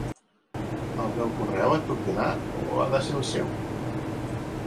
El meu correu et puc donar o ha de ser el seu?